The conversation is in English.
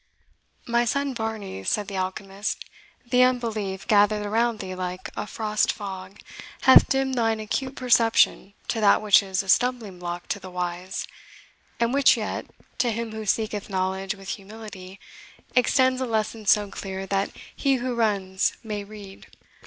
"My son Varney," said the alchemist, "the unbelief, gathered around thee like a frost fog, hath dimmed thine acute perception to that which is a stumbling block to the wise, and which yet, to him who seeketh knowledge with humility, extends a lesson so clear that he who runs may read.